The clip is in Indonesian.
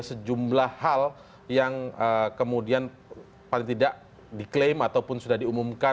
sejumlah hal yang kemudian paling tidak diklaim ataupun sudah diumumkan